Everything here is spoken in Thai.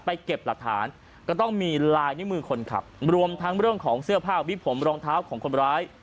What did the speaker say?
เก็บหลักฐานก็ต้องมีลายนิ้วมือคนขับรวมทั้งเรื่องของเสื้อผ้าวิผมรองเท้าของคนร้าย